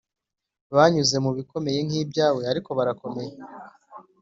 banyuze mu bikomeye nk’ibyawe ariko barakomeye.